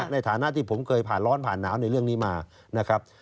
ในฐานะที่ผมเคยผ่านร้อนผ่านหนาวในเรื่องนี้มานะครับ